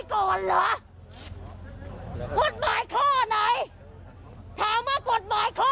หรือกะจบกฎหมาย